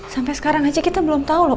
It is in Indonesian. sampai sekarang aja kita belum tahu loh